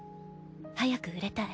早く売れたい。